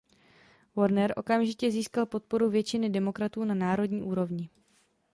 Warner okamžitě získal podporu většiny Demokratů na národní úrovni.